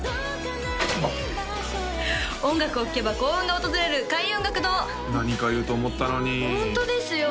音楽を聴けば幸運が訪れる開運音楽堂何か言うと思ったのにホントですよ